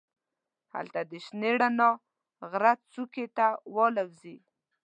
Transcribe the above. هلته د شنې رڼا غره څوکې ته والوزي.